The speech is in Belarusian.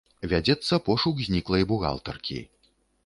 Вядзецца пошук зніклай бухгалтаркі.